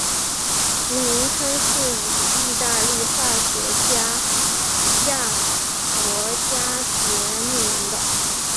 其名称是以义大利化学家亚佛加厥命名的。